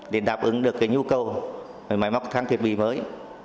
để đáp ứng được cái nhu cầu về máy móc thang thiết bị mới